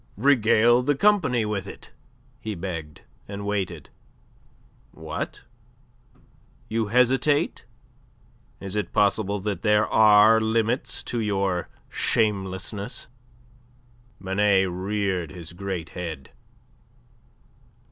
"Regale the company with it!" he begged; and waited. "What? You hesitate? Is it possible that there are limits to your shamelessness?" Binet reared his great head.